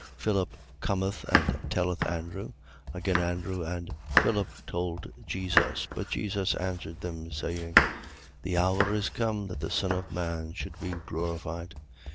12:22. Philip cometh and telleth Andrew. Again Andrew and Philip told Jesus. 12:23. But Jesus answered them, saying: The hour is come that the Son of man should be glorified.